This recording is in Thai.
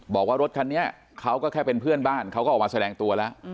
บอกว่ารถคันนี้เขาก็แค่เป็นเพื่อนบ้านเขาก็ออกมาแสดงตัวแล้ว